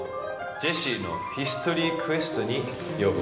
ジェシーのヒストリークエストにようこそ。